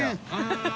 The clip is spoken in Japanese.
ハハハ